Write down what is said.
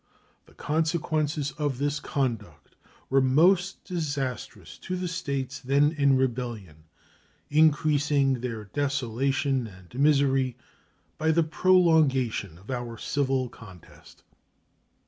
The consequences of this conduct were most disastrous to the States then in rebellion, increasing their desolation and misery by the prolongation of our civil contest.